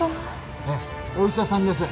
ええお医者さんです